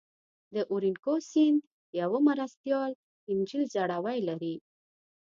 د اورینوکو سیند یوه مرستیال انجیل ځړوی لري.